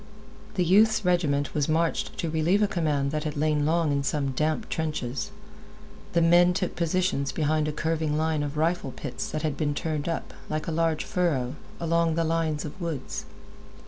The youth's regiment was marched to relieve a command that had lain long in some damp trenches. The men took positions behind a curving line of rifle pits that had been turned up, like a large furrow, along the line of woods.